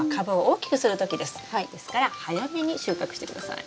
ですから早めに収穫してください。